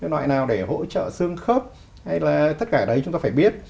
loại nào để hỗ trợ xương khớp hay là tất cả đấy chúng ta phải biết